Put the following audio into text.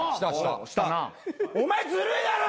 お前ずるいだろ！